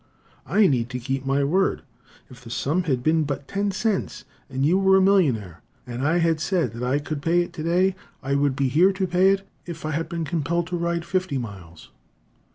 "I need to keep my word. If the sum had been but ten cents, and you were a millionaire, and I had said that I could pay it today, I would be here to pay it if I had been compelled to ride fifty miles."